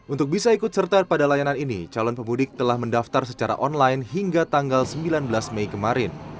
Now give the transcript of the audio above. untuk bisa ikut serta pada layanan ini calon pemudik telah mendaftar secara online hingga tanggal sembilan belas mei kemarin